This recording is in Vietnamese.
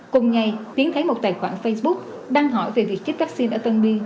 cùng ngày tiến thấy một tài khoản facebook đăng hỏi về việc chích vaccine ở tân biên